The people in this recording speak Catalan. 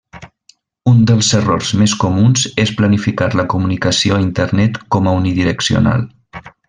Un dels errors més comuns és planificar la comunicació a internet com a unidireccional.